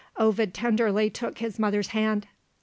Ovid tenderly took his mother's hand.